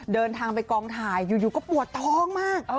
เดินทางไปกองถ่ายอยู่ก็ปวดท้องมาก